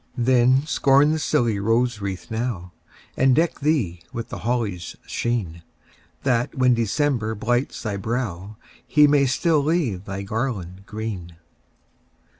Then, scorn the silly rose wreath now, And deck thee with the holly's sheen, That, when December blights thy brow, He still may leave thy garland green.